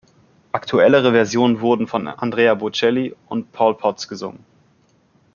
Aktuellere Versionen wurden von Andrea Bocelli und Paul Potts gesungen.